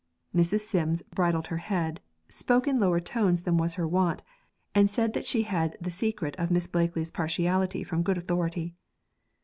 Mrs. Sims bridled her head, spoke in lower tones than was her wont, and said that she had the secret of Miss Blakely's partiality from good authority.